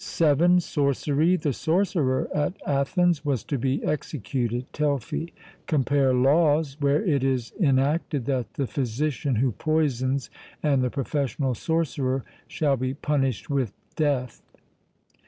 (7) Sorcery. The sorcerer at Athens was to be executed (Telfy): compare Laws, where it is enacted that the physician who poisons and the professional sorcerer shall be punished with death.